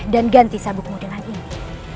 dan ganti sabukmu dengan ini